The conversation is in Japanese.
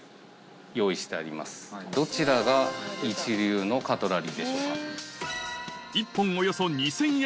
どちらが一流のカトラリーでしょうか？の超一流